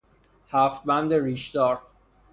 هفت بند ریش دار